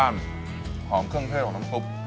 เนื้อใบพลายน้ำซุป